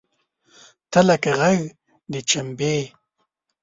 تۀ لکه غږ د چمبې !